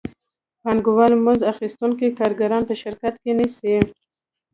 پانګوال مزد اخیستونکي کارګران په شرکت کې نیسي